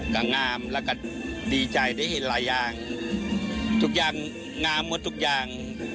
ก็งามแล้วก็ดีใจได้เห็นหลายอย่างทุกอย่างงามหมดทุกอย่าง